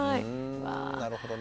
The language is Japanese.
なるほどね。